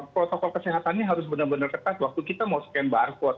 protokol kesehatannya harus benar benar ketat waktu kita mau scan barcode